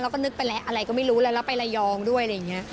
ก็นึกไปแล้วอะไรก็ไม่รู้แล้วเราไประยองด้วยอะไรอย่างนี้